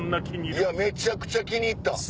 いやめちゃくちゃ気に入った！